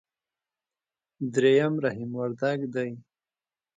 درېم رحيم وردګ دی.